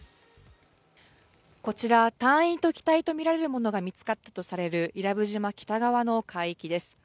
こちら、隊員と機体とみられるものが見つかったとされる伊良部島北側の海域です。